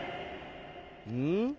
うん？